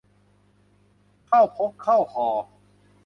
เข้าพกเข้าห่อ